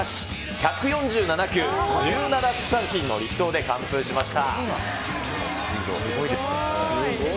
１４７球、１７奪三振の力投で完封しました。